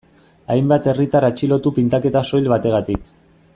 Hainbat herritar atxilotu pintaketa soil bategatik.